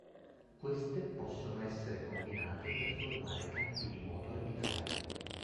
Queste possono essere combinate per formare campi di moto arbitrari.